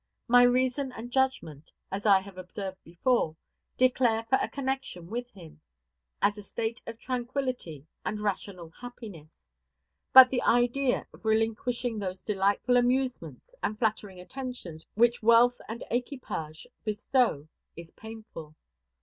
My reason and judgment, as I have observed before, declare for a connection with him, as a state of tranquillity and rational happiness. But the idea of relinquishing those delightful amusements and flattering attentions which wealth and equipage bestow is painful.